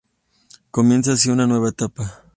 Comienza así una nueva etapa.